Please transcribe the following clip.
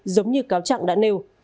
giống như cáo chặng đã nêu